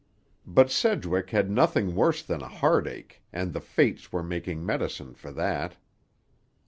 But Sedgwick had nothing worse than a heartache, and the fates were making medicine for that.